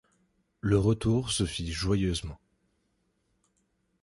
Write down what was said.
Le retour se fit joyeusement.